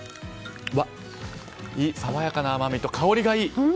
爽やかな甘みと香りがいい！